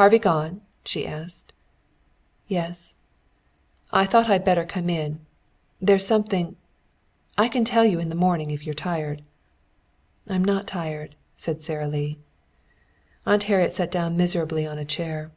"Harvey gone?" she asked. "Yes." "I thought I'd better come in. There's something I can tell you in the morning if you're tired." "I'm not tired," said Sara Lee. Aunt Harriet sat down miserably on a chair.